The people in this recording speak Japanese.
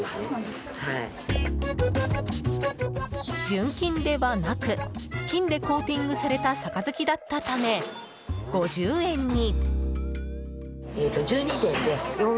純金ではなく金でコーティングされた杯だったため、５０円に。